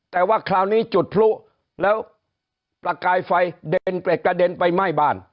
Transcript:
แต่ว่าคราวนี้จุดพลุแล้วประกายไฟเด็นไปกระเด็นไปไหม้บ้าน